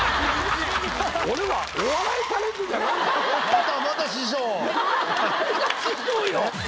俺は誰が師匠よ。